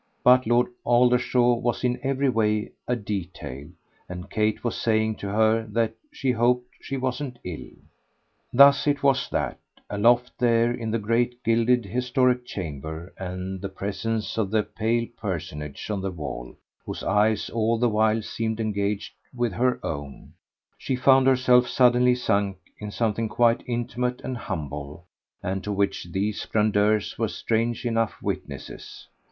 But Lord Aldershaw was in every way a detail and Kate was saying to her that she hoped she wasn't ill. Thus it was that, aloft there in the great gilded historic chamber and the presence of the pale personage on the wall, whose eyes all the while seemed engaged with her own, she found herself suddenly sunk in something quite intimate and humble and to which these grandeurs were strange enough witnesses.